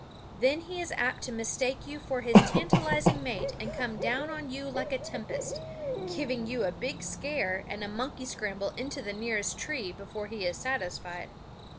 Then he is apt to mistake you for his tantalizing mate and come down on you like a tempest, giving you a big scare and a monkey scramble into the nearest tree before he is satisfied.